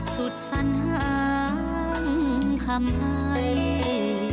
สุดสันหาคำให้ความรับร้าทรุดยใจ